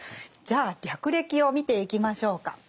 じゃあ略歴を見ていきましょうか。